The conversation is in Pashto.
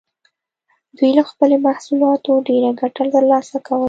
دوی له خپلو محصولاتو ډېره ګټه ترلاسه کوله.